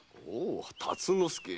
「辰之助」！